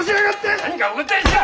何かお答えしろい！